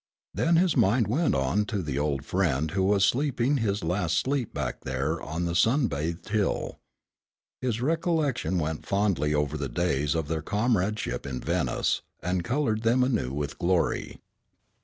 Then his mind went on to the old friend who was sleeping his last sleep back there on the sun bathed hill. His recollection went fondly over the days of their comradeship in Venice, and colored them anew with glory.